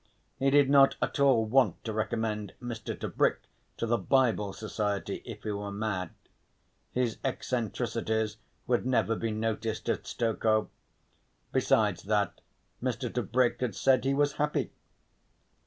He did not at all want to recommend Mr. Tebrick to the Bible Society if he were mad. His eccentricities would never be noticed at Stokoe. Besides that, Mr. Tebrick had said he was happy.